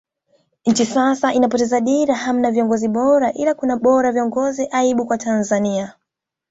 Nchi sasa inapoteza dira hamna viongozi bora ila kuna bora viongozi aibu kwa Watanzania